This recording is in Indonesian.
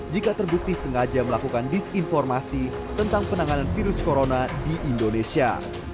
jika terbukti sengaja melakukan disinformasi tentang penanganan virus corona di indonesia